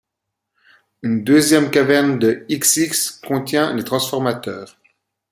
Une deuxième caverne de x x contient les transformateurs.